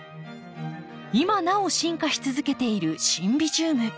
今なお進化し続けているシンビジウム。